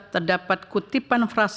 terdapat kutipan frasa